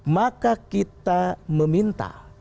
maka kita meminta